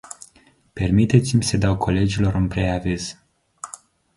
Permiteți-mi să dau colegilor un preaviz.